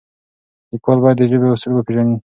لیکوال باید د ژبې اصول وپیژني.